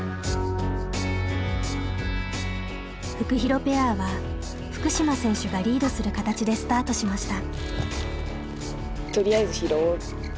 フクヒロペアは福島選手がリードする形でスタートしました。